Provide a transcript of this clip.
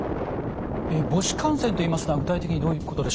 母子感染といいますのは具体的にどういうことでしょう？